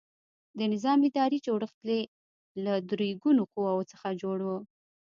د نظام اداري جوړښت یې له درې ګونو قواوو څخه جوړ و.